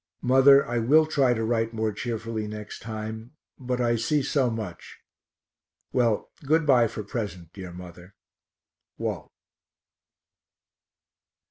Mother, I will try to write more cheerfully next time but I see so much. Well, good bye for present, dear mother. WALT.